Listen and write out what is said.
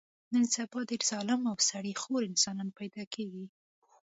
نن سبا ډېر ظالم او سړي خور انسانان پیدا کېږي.